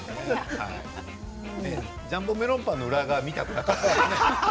ジャンボメロンパンの裏側は見たくなかったですね。